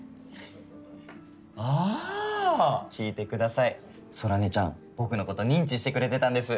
あぁ聞いてください空音ちゃん僕のこと認知してくれてたんです